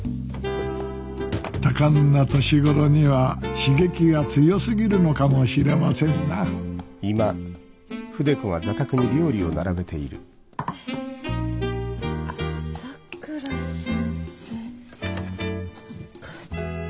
多感な年頃には刺激が強すぎるのかもしれませんなあっさくら先生。